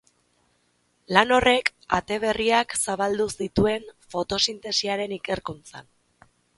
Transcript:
Lan horrek ate berriak zabaldu zituen fotosintesiaren ikerkuntzan.